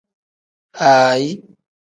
Aayi.